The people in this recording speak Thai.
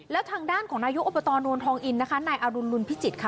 แล้วทางด้านของนายกอบตนวลทองอินนะคะนายอรุณลุนพิจิตรค่ะ